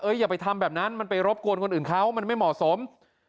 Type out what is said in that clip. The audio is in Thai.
อย่าไปทำแบบนั้นมันไปรบกวนคนอื่นเขามันไม่เหมาะสม